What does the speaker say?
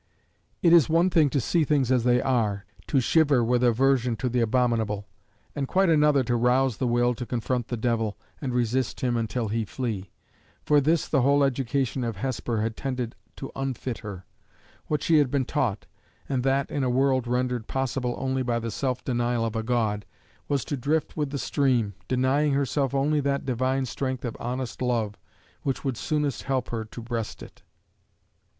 It is one thing to see things as they are; to be consumed with indignation at the wrong; to shiver with aversion to the abominable; and quite another to rouse the will to confront the devil, and resist him until he flee. For this the whole education of Hesper had tended to unfit her. What she had been taught and that in a world rendered possible only by the self denial of a God was to drift with the stream, denying herself only that divine strength of honest love, which would soonest help her to breast it.